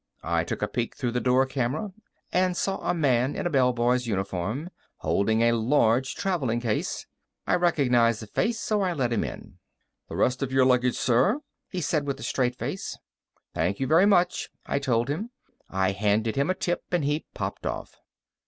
I took a peek through the door camera and saw a man in a bellboy's uniform, holding a large traveling case. I recognized the face, so I let him in. "The rest of your luggage, sir," he said with a straight face. "Thank you very much," I told him. I handed him a tip, and he popped off.